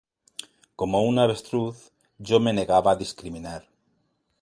Como un avestruz, yo me negaba a discriminar.